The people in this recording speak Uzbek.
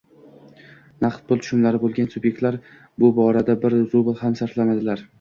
Naqd pul tushumlari bo'lgan sub'ektlar bu borada bir rubl ham sarflamadilar